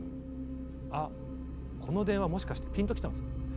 あこの電話もしかしてピンときたんですって。